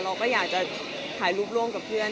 เราก็อยากจะถ่ายรูปร่วมกับเพื่อน